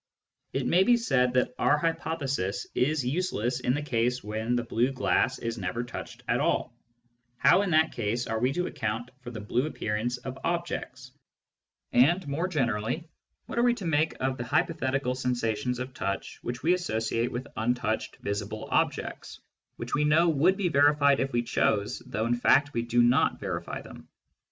It may be said that our hypothesis is useless in the case when the blue glass is never touched at all. How, in that case, are we to account for the blue appearance of Digitized by Google 8o SCIENTIFIC METHOD IN PHILOSOPHY objects ? And more generally, what are we to make of the hypothetical sensations of touch which we associate with untouched visible objects, which we know would be verified if we chose, though in fact we do not verify them